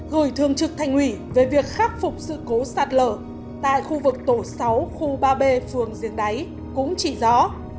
gửi thường trực thành ủy về việc khắc phục sự cố sạt lở tại khu vực tổ sáu khu ba b phường giếng đáy cũng chỉ rõ